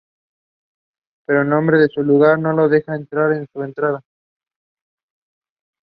Pero el hombre del lugar no lo deja entrar sin su entrada.